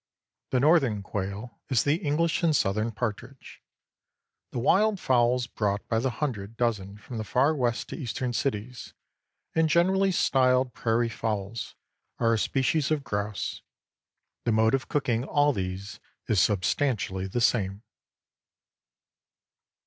The Northern quail is the English and Southern partridge. The wild fowls brought by the hundred dozen from the Far West to Eastern cities, and generally styled prairie fowls, are a species of grouse. The mode of cooking all these is substantially the same.